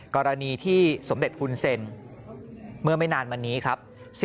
กรณีที่สมเด็จฮุนเซ็นเมื่อไม่นานมานี้ครับ